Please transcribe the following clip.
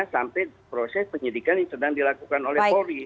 sampai proses penyidikan yang sedang dilakukan oleh polri